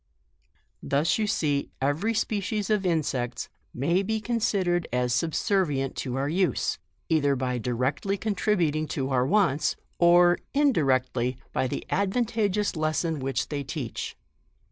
Thus you see every species of insects may be considered as subservient to our use, either by directly contributing to our wants, or in directly, by the advantageous lesson which they teach.